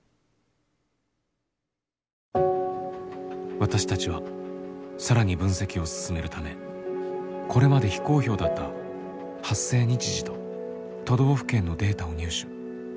私たちは更に分析を進めるためこれまで非公表だった発生日時と都道府県のデータを入手。